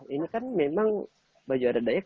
ini kan memang baju adat dayak